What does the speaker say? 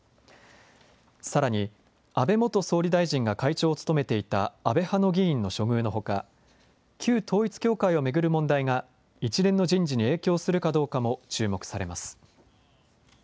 さらに安倍元総理大臣が会長を務めていた安倍派の議員の処遇のほか、旧統一教会を巡る問題が一連の人事に影響するかどうかも注目されます。